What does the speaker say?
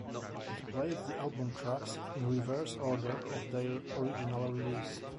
It plays the album tracks in reverse order of their original release.